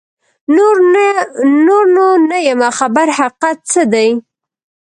نور نو نه یمه خبر حقیقت څه دی